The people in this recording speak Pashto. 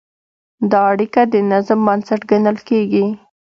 دا اړیکه د نظم بنسټ ګڼل کېږي.